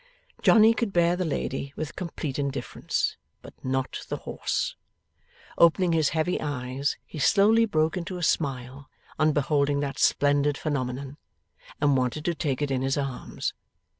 Johnny could bear the lady, with complete indifference, but not the horse. Opening his heavy eyes, he slowly broke into a smile on beholding that splendid phenomenon, and wanted to take it in his arms.